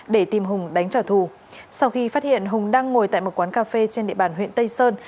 để tìm hùng đánh trả thù sau khi phát hiện hùng đang ngồi tại một quán cà phê trên địa bàn huyện tây sơn